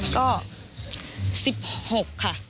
ก็๑๖ค่ะ